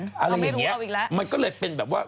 เอาไม่รู้เอาอีกแล้วอะไรอย่างนี้มันก็เลยเป็นแบบว่า